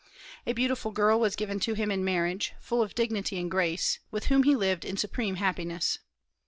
A beautiful girl was given to him in marriage, full of dignity and grace, with whom he lived in supreme happiness.